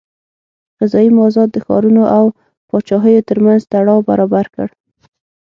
غذایي مازاد د ښارونو او پاچاهیو ترمنځ تړاو برابر کړ.